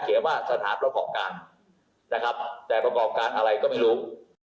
ว่าสถานประกอบการนะครับแต่ประกอบการอะไรก็ไม่รู้